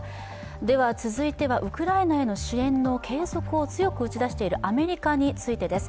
では続いてはウクライナへの支援の継続を強く打ち出しているアメリカについてです。